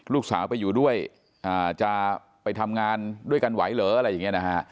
ลูกสาวไปอยู่ด้วยจะไปทำงานด้วยกันไหวเหรออะไรอย่างนี้นะฮะ